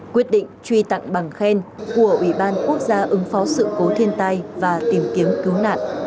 quyết định truy tặng bằng khen của ủy ban quốc gia ứng phó sự cố thiên tai và tìm kiếm cứu nạn